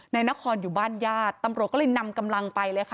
นายนครอยู่บ้านญาติตำรวจก็เลยนำกำลังไปเลยค่ะ